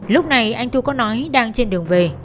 lúc này anh thu có nói đang trên đường về